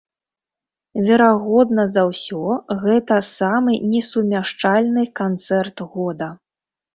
Верагодна за ўсё гэта самы несумяшчальны канцэрт года.